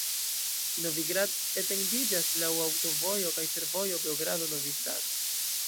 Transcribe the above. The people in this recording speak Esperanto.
Novi Grad etendiĝas laŭ aŭtovojo kaj fervojo Beogrado-Novi Sad.